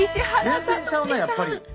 全然ちゃうなやっぱり。